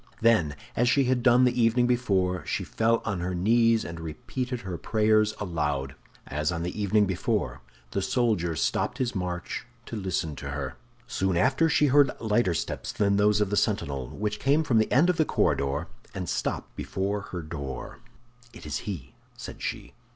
Then, as she had done the evening before, she fell on her knees and repeated her prayers aloud. As on the evening before, the soldier stopped his march to listen to her. Soon after she heard lighter steps than those of the sentinel, which came from the end of the corridor and stopped before her door. "It is he," said she.